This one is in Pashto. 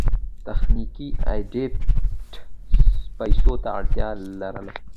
تخنیکي ایډېټ پیسو ته اړتیا لرله.